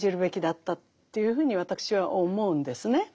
というふうに私は思うんですね。